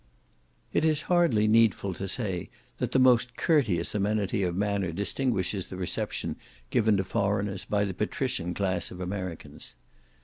It is hardly needful to say the most courteous amenity of manner distinguishes the reception given to foreigners by the patrician class of Americans.